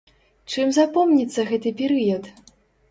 Чым запомніцца гэты перыяд?